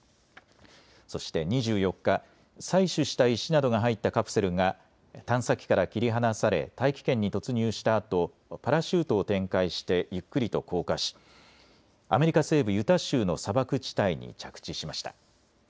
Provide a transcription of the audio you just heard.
そして２４日、採取した石などが入ったカプセルが探査機から切り離され大気圏に突入したあとパラシュートを展開してゆっくりと降下しアメリカ西部ユタ州の砂漠地帯に着地しました。